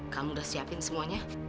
kamu udah siapin semuanya